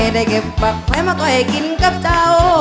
ได้เก็บปากไว้มาก็ให้กินกับเจ้า